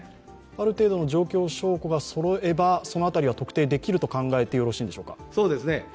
ある程度の状況証拠がそろえばそのあたりが特定できるということでしょうか？